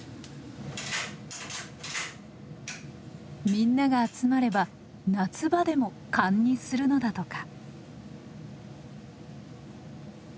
みんなが集まれば夏場でも燗にするのだとか。